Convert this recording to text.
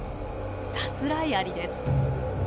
サスライアリです。